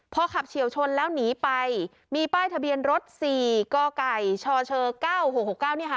พอขับเฉียวชนแล้วหนีไปมีป้ายทะเบียนรถสี่ก้อก่ายช่อเชอเก้าหกหกเก้าเนี่ยค่ะ